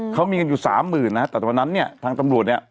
เขามีเงินอยู่๓๐๐๐๐นะครับแต่ตอนนั้นเนี่ยทางตำรวจเนี่ย